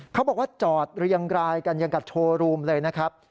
เขาบอกว่าจอดเรียงรายกันอย่างกับโชว์รูมเลยนะครับ